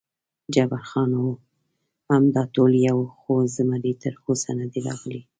جبار خان: هو، همدا ټول یو، خو زمري تراوسه نه دی راغلی.